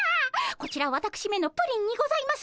こちらわたくしめのプリンにございます。